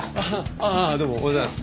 あっああどうもおはようございます。